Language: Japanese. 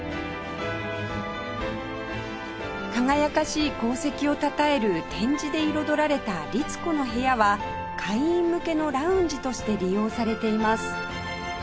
輝かしい功績をたたえる展示で彩られたりつこの部屋は会員向けのラウンジとして利用されています